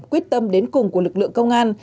quyết tâm đến cùng của lực lượng công an